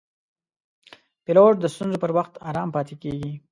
پیلوټ د ستونزو پر وخت آرام پاتې کېږي.